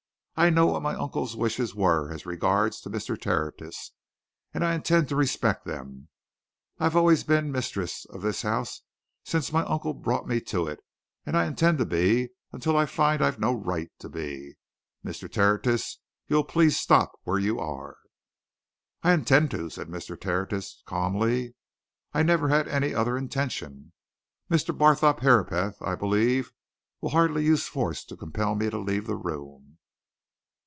"I know what my uncle's wishes were as regards Mr. Tertius, and I intend to respect them. I've always been mistress of this house since my uncle brought me to it, and I intend to be until I find I've no right to be. Mr. Tertius, you'll please to stop where you are!" "I intend to," said Mr. Tertius, calmly. "I never had any other intention. Mr. Barthorpe Herapath, I believe, will hardly use force to compel me to leave the room."